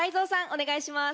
お願いします。